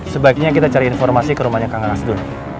sebaiknya kita cari informasi ke rumahnya kang asdun